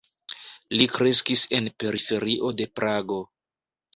Li kreskis en periferio de Prago.